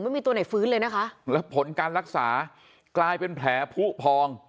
ไม่มีตัวไหนฟื้นเลยนะคะแล้วผลการรักษากลายเป็นแผลผู้พอง